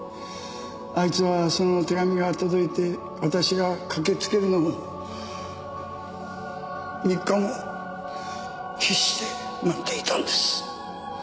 あいつはその手紙が届いて私が駆けつけるのを３日も必死で待っていたんです。